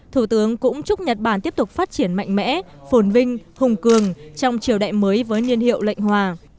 thủ tướng cũng chúc nhật bản tiếp tục phát triển mạnh mẽ phồn vinh hùng cường trong triều đại mới với niên hiệu lệnh hòa